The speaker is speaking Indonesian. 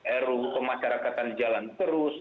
error kemasyarakatan jalan terus